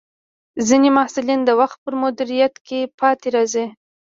ځینې محصلین د وخت پر مدیریت کې پاتې راځي.